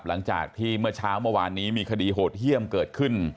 หลังจากที่เมื่อเช้าเมื่อวานนี้มีคดีโหดเยี่ยมเกิดขึ้น